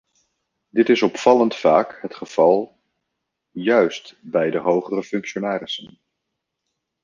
Dit is opvallend vaak het geval juist bij de hogere functionarissen.